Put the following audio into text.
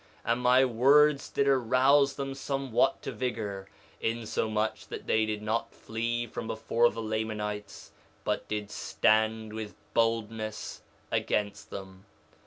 2:24 And my words did arouse them somewhat to vigor, insomuch that they did not flee from before the Lamanites, but did stand with boldness against them.